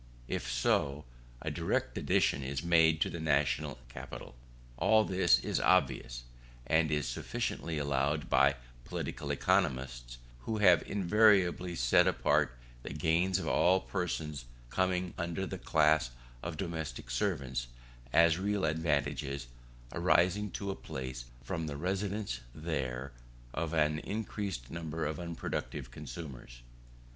If so, a direct addition is made to the national capital. All this is obvious, and is sufficiently allowed by political economists; who have invariably set apart the gains of all persons coming under the class of domestic servants, as real advantages arising to a place from the residence there of an increased number of unproductive consumers.